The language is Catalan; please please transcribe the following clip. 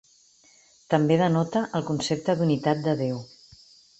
També denota el concepte d'unitat de Déu.